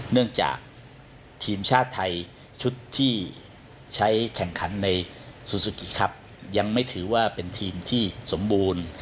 เนื่องจากทีมชาติไทยชุดที่ใช้แข่งขันในซูซูกิครับยังไม่ถือว่าเป็นทีมที่สมบูรณ์